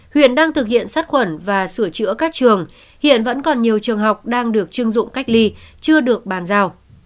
huyện đang thực hiện sát khuẩn và sửa chữa các trường hiện vẫn còn nhiều trường học đang được chưng dụng cách ly chưa được bàn giao